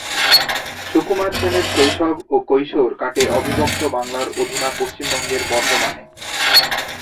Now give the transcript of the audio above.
সুকুমার সেনের শৈশব ও কৈশোর কাটে অবিভক্ত বাংলার অধুনা পশ্চিমবঙ্গের বর্ধমানে।